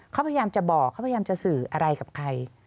เขาพยายามจะบอกเขาพยายามจะสื่ออะไรกับใคร